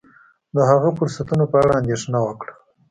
د هغه فرصتونو په اړه اندېښنه وکړه.